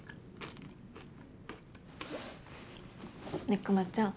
ねぇくまちゃん。